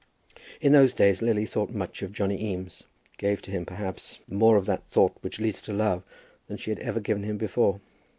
In those days Lily thought much of Johnny Eames, gave to him perhaps more of that thought which leads to love than she had ever given him before.